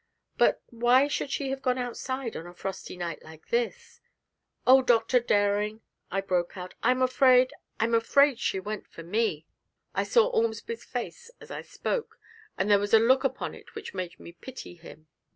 But why should she have gone outside on a frosty night like this?' 'Oh, Dr. Dering!' I broke out, 'I'm afraid I'm afraid she went for me!' I saw Ormsby's face as I spoke, and there was a look upon it which made me pity him.